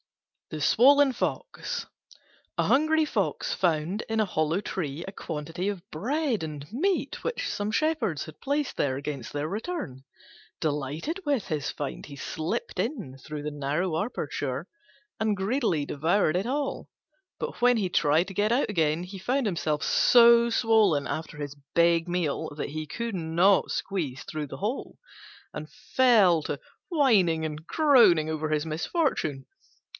THE SWOLLEN FOX A hungry Fox found in a hollow tree a quantity of bread and meat, which some shepherds had placed there against their return. Delighted with his find he slipped in through the narrow aperture and greedily devoured it all. But when he tried to get out again he found himself so swollen after his big meal that he could not squeeze through the hole, and fell to whining and groaning over his misfortune.